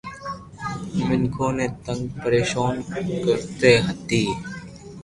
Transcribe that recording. مينکون ني تنگ پريݾون ڪرتي ھتي